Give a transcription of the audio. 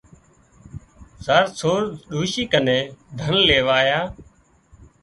زار سور ڏوشي ڪنين ڌن ليوا آيا